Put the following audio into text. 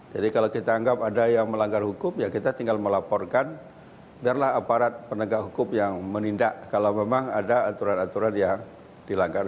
jadi kalau kita anggap ada yang melanggar hukum ya kita tinggal melaporkan biarlah aparat penegak hukum yang menindak kalau memang ada aturan aturan yang dilanggar